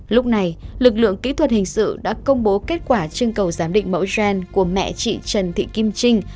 lúc này lực lượng kỹ thuật hình sự đã công bố kết quả trưng cầu giám định mẫu gen của mẹ chị trần thị kim trinh